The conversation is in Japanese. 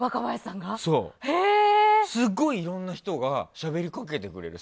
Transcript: そう、すごいいろんな人がしゃべりかけてくれる。